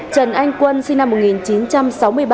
trần anh quân sinh năm một nghìn chín trăm sáu mươi ba